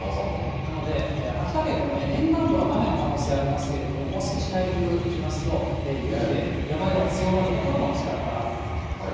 なので、秋田県では沿岸部は雨の可能性ありますけれども、もう少し内陸いきますと、雪で、山では強まる所もちらほらあるかなと。